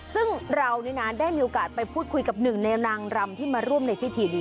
ซึ่งเรานี่นะได้มีโอกาสไปพูดคุยกับหนึ่งในนางรำที่มาร่วมในพิธีนี้